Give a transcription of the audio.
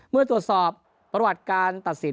เมื่อตรวจสอบประวัติการตัดสิน